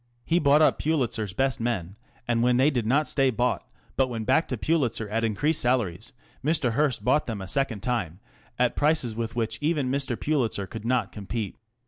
He bought up Pulitzer's best men, and when they did not stay bought, but went back to Pulitzer at increased Mr. C. N. Haskell. salaries, Mr. Hearst bought them a second time at prices with which even Mr. Pulitzer could not com pete.